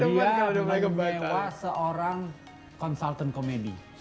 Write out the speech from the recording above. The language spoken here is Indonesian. dia membawa seorang konsultan komedi